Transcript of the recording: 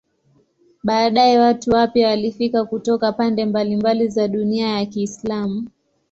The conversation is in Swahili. Baadaye watu wapya walifika kutoka pande mbalimbali za dunia ya Kiislamu.